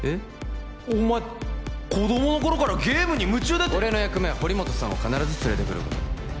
お前子どもの頃からゲームに夢中だって俺の役目は堀本さんを必ず連れてくること